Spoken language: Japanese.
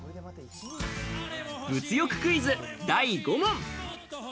物欲クイズ第５問。